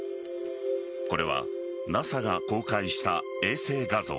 これはＮＡＳＡが公開した衛星画像。